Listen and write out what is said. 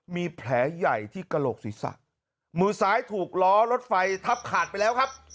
มีแผลใหญ่ที่กระโหลกศีรษะมือซ้ายถูกล้อรถไฟทับขาดไปแล้วครับ